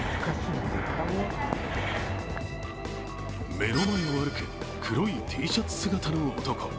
目の前を歩く、黒いＴシャツ姿の男。